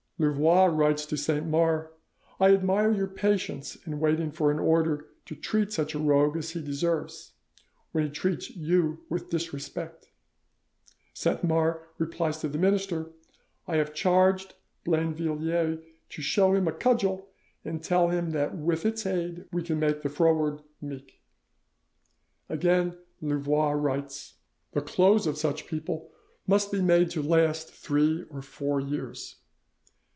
Louvois writes to Saint Mars: "I admire your patience in waiting for an order to treat such a rogue as he deserves, when he treats you with disrespect." Saint Mars replies to the minister: "I have charged Blainvilliers to show him a cudgel and tell him that with its aid we can make the froward meek." Again Louvois writes: "The clothes of such people must be made to last three or four years."